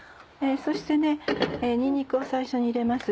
そしてにんにくを最初に入れます。